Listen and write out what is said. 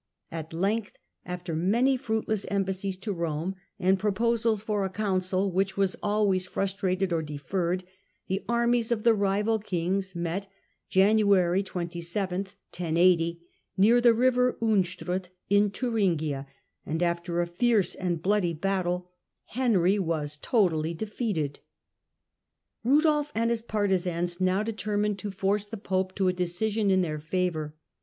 At length, after many fruitless embassies to Rome, and proposals for a council which His defeat ^^^ always frustrated or deferred, the armfes u^rat ^^*^®^^^ kings met (January 27) near the 1080 river Unstrut in Thuringia, and after a fierce and bloody battle Henry was totally defeated. Rudolf and his partisans now determined to force the pope to a decision in their favour.